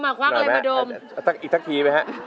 อีกทักทีมั้งฮะ